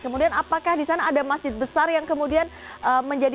kemudian apakah di sana ada masjid besar yang kemudian menjadi